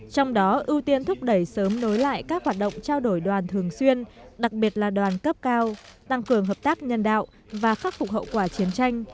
trong đó ưu tiên thúc đẩy sớm nối lại các hoạt động trao đổi đoàn thường xuyên đặc biệt là đoàn cấp cao tăng cường hợp tác nhân đạo và khắc phục hậu quả chiến tranh